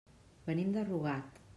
Venim de Rugat.